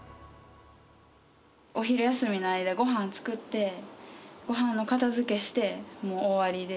お昼休みの間、ごはん作って、ごはんの片づけして、もう終わりで。